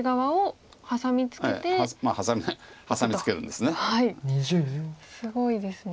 すごいですね。